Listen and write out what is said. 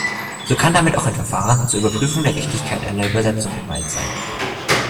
So kann damit auch ein Verfahren zur Überprüfung der Richtigkeit einer Übersetzung gemeint sein.